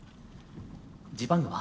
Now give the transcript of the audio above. ジパングは？